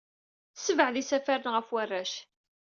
Ssebɛed isafaren ɣef warrac.